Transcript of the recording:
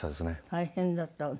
大変だったわね。